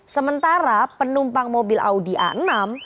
sementara penumpang mobil audi a enam